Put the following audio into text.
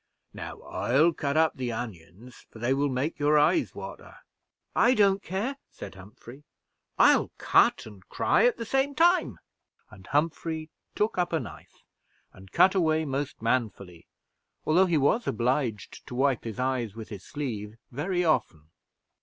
"Now I'll cut up the onions, for they will make your eyes water." "I don't care," said Humphrey, "I'll cut and cry at the same time." And Humphrey took up a knife, and cut away most manfully, although he was obliged to wipe his eyes with his sleeve very often.